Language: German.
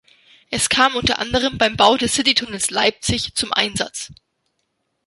Es kam unter anderem beim Bau des City-Tunnels Leipzig zum Einsatz.